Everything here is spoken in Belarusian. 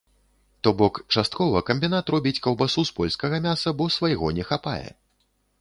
То бок, часткова камбінат робіць каўбасу з польскага мяса, бо свайго не хапае.